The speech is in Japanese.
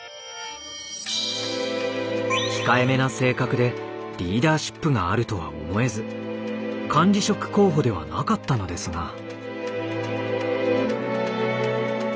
控えめな性格でリーダーシップがあるとは思えず管理職候補ではなかったのですが。